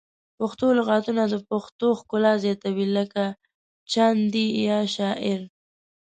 پښتو لغتونه د پښتو ښکلا زیاتوي لکه چندي یا شاعر